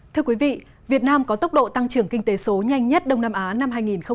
thưa quý vị việt nam có tốc độ tăng trưởng kinh tế số nhanh nhất đông nam á năm hai nghìn hai mươi